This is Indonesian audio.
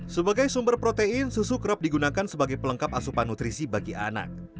sebagai sumber protein susu kerap digunakan sebagai pelengkap asupan nutrisi bagi anak